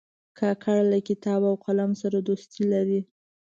کاکړ له کتاب او قلم سره دوستي لري.